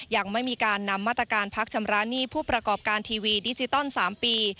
ยังไม่มีการนำมาตรการพักชำระหนี้ผู้ประกอบการทีวีดิจิตอล๓ปี